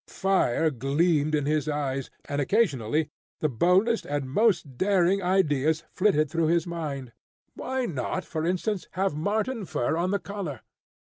Fire gleamed in his eyes, and occasionally the boldest and most daring ideas flitted through his mind. Why not, for instance, have marten fur on the collar?